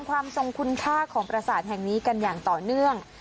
ความทรงคุณค่าของประสาทแห่งนี้กันอย่างต่อเนื่อง